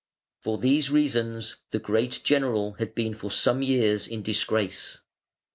For these reasons the great general had been for some years in disgrace.